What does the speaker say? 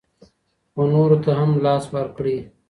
خو نورو ته هم لاس ورکړئ.